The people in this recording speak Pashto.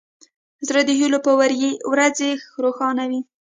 زړه د هیلو په ورځې روښانه وي.